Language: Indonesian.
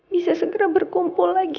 bisa segera berkumpul lagi